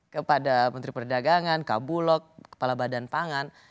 kepada menteri perdagangan kabulok kepala badan pangan